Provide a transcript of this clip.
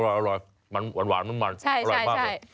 อร่อยอร่อยหวานมันมันอร่อยมากเลย